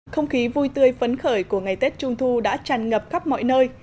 không khí vui tươi phấn khởi của ngày tết trung thu đã tràn ngập khắp mọi nơi